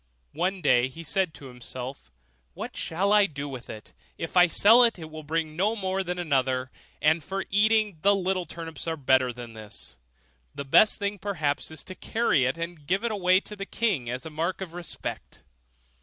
One day he said to himself, 'What shall I do with it? if I sell it, it will bring no more than another; and for eating, the little turnips are better than this; the best thing perhaps is to carry it and give it to the king as a mark of respect.